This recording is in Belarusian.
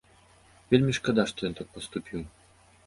Вельмі шкада, што ён так паступіў.